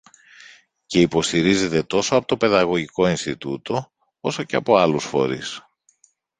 και υποστηρίζεται τόσο από το Παιδαγωγικό Ινστιτούτο, όσο και από άλλους φορείς